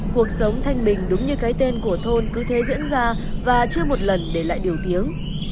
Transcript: cuộc sống thanh bình đúng như cái tên của thôn cứ thế diễn ra và chưa một lần để lại điều tiếng